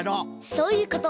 そういうこと。